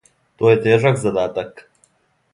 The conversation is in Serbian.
То је тежак задатак.